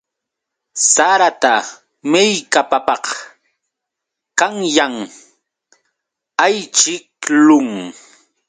Sarata millkapapaq qanyan ayćhiqlun.